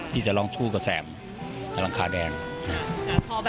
ที่จะร้องสู้กับแสงหลังคาแดง